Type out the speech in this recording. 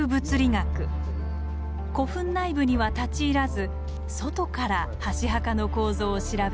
古墳内部には立ち入らず外から箸墓の構造を調べます。